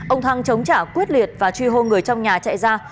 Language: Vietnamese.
ông thăng chống trả quyết liệt và truy hô người trong nhà chạy ra